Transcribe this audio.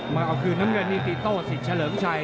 มาเอาคืนน้ำเงินนี่ตีโต้สิทธิ์เฉลิมชัย